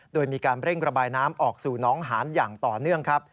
โดยมีการเร่งระบายน้ำออกสู่น้องหานอย่างต่อเนื่องครับ